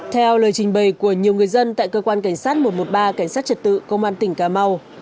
theo lời trình bày của nhiều người dân tại cơ quan cảnh sát một trăm một mươi ba cảnh sát trật tự công an tỉnh cà mau